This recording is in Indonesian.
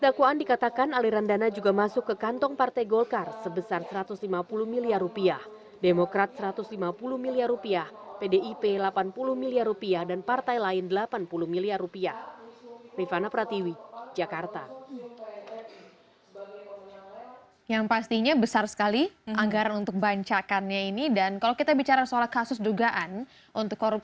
andi agustinus alias andi narowo membuat kesepakatan dengan setiano fanto